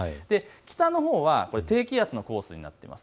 北のほうは低気圧のコースになってます。